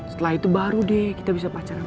setelah itu baru deh kita bisa pacaran